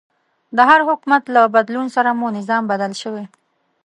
د هر حکومت له بدلون سره مو نظام بدل شوی.